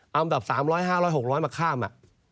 เอาอำดับ๓๐๐๕๐๐๖๐๐มาข้ามอ่ะ